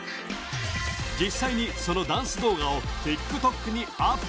実際にそのダンス動画をＴｉｋＴｏｋにアップ